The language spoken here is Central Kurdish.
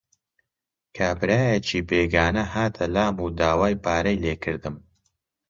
کابرایەکی بێگانە هاتە لام و داوای پارەی لێ کردم.